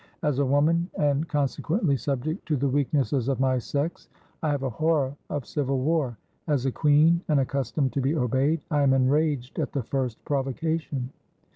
As a woman, and conse 265 FRANCE quently subject to the weaknesses of my sex, I have a horror of civil war; as a queen, and accustomed to be obeyed, I am enraged at the first provocation."